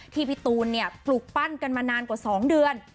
พี่ตูนปลูกปั้นกันมานานกว่า๒เดือน